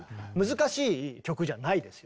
難しい曲じゃないですよね。